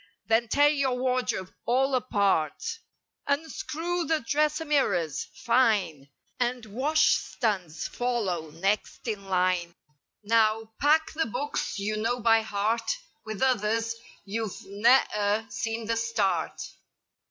Then tear your wardrobe all apart; Unscrew the dresser mirrors. Fine! And washstands follow next in line. Now, pack the books you know by heart With others, you've ne'er seen the start.